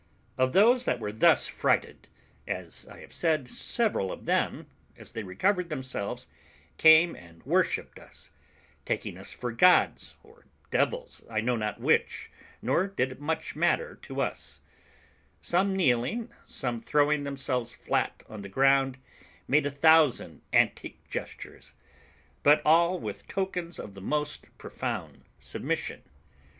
Of those that were thus frighted, as I have said, several of them, as they recovered themselves, came and worshipped us (taking us for gods or devils, I know not which, nor did it much matter to us): some kneeling, some throwing themselves flat on the ground, made a thousand antic gestures, but all with tokens of the most profound submission.